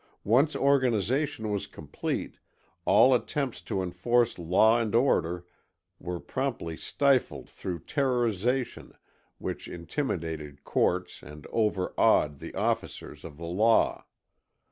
Once organization was complete, all attempts to enforce law and order were promptly stifled through terrorization which intimidated courts and overawed the officers of the law.